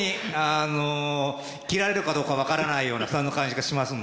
あの斬られるかどうか分からないようなそんな感じがしますもん。